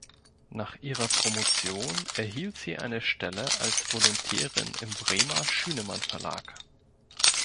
Nach ihrer Promotion erhielt sie eine Stelle als Volontärin im Bremer Schünemann Verlag.